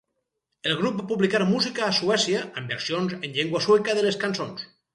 El grup va publicar música a Suècia amb versions en llengua sueca de les cançons.